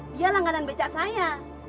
dia langganan becak saya